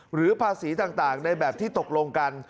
หรือภาษีต่างในแบบที่ตกลงกัน